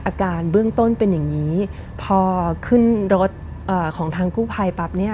อาการเบื้องต้นเป็นอย่างนี้พอขึ้นรถของทางกู้ภัยปั๊บเนี่ย